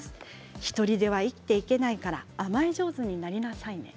１人では生きていけないから甘え上手になりなさいね。